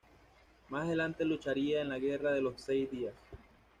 Más adelante lucharía en la guerra de los seis días.